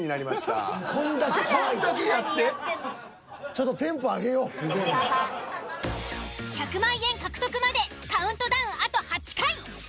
ちょっと１００万円獲得までカウントダウンあと８回。